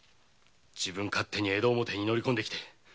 自分勝手に江戸表へ乗り込んできて。